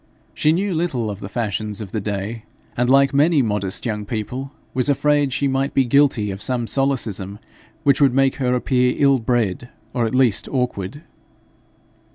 She knew little of the fashions of the day, and, like many modest young people, was afraid she might be guilty of some solecism which would make her appear ill bred, or at least awkward.